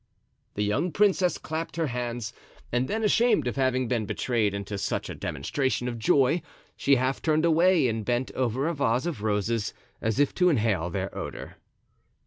The young princess clapped her hands; and then, ashamed of having been betrayed into such a demonstration of joy, she half turned away and bent over a vase of roses, as if to inhale their odor.